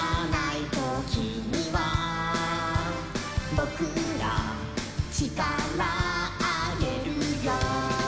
「ぼくらちからあげるよ」